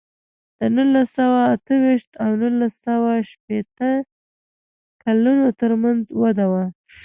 د نولس سوه اته ویشت او نولس سوه شپېته کلونو ترمنځ وده وه.